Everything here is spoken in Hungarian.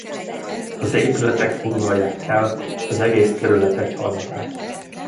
Az épületek foglalják el az egész terület egyharmadát.